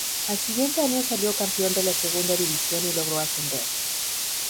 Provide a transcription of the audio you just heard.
Al siguiente año salió campeón de la Segunda División y logró ascender.